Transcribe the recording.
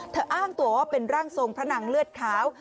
อ้างตัวว่าเป็นร่างทรงพระนางเลือดขาว